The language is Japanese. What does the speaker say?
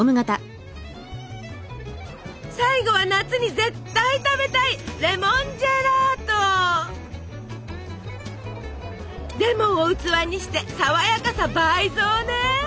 最後は夏に絶対食べたいレモンを器にしてさわやかさ倍増ね。